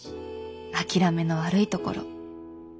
諦めの悪いところ。